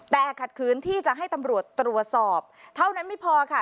แต่ขัดขืนที่จะให้ตำรวจตรวจสอบเท่านั้นไม่พอค่ะ